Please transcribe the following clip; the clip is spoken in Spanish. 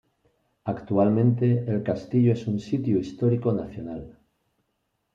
Actualmente el castillo es un Sitio Histórico Nacional.